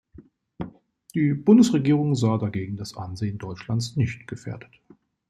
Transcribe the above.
Die Bundesregierung sah dagegen das Ansehen Deutschlands nicht gefährdet.